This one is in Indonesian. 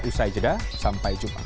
usai jeda sampai jumpa